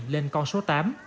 lên con số tám